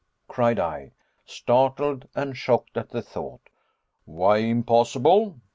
cried I, startled and shocked at the thought. "Why impossible?"